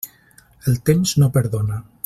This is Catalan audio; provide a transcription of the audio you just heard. El temps no perdona.